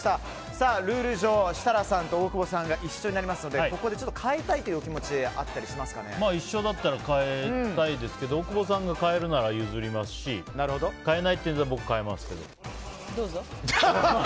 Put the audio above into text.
ルール上、設楽さんと大久保さんが一緒になりますのでここで変えたいというお気持ちは一緒だったら変えたいですけど大久保さんが変えるなら譲りますし変えないって言うなら僕、変えますけど。